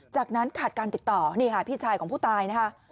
จากนั้นขาดการติดต่อนี่ค่ะพี่ชายของผู้ตายนะคะ